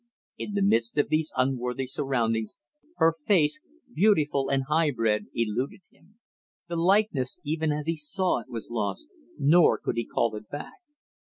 In the midst of these unworthy surroundings, her face, beautiful and high bred, eluded him; the likeness, even as he saw it, was lost, nor could he call it back.